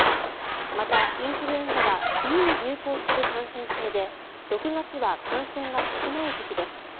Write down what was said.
また、インフルエンザは冬に流行する感染症で６月は感染が少ない時期です。